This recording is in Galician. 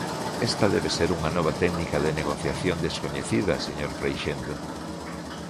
Esta debe de ser unha nova técnica de negociación descoñecida, señor Freixendo.